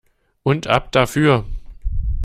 Und ab dafür!